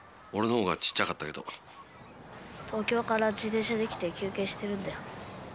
俺の方がちっちゃかったけど東京から自転車で来て休憩してるんだよ。